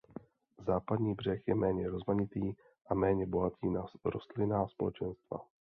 Západní břeh je méně rozmanitý a méně bohatý na rostlinná společenstva.